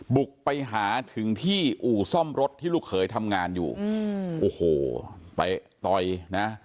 บุกไปหาถึงที่อู่ซ่อมรถที่ลูกเขยทำงานอยู่อืมโอ้โหเตะต่อยนะ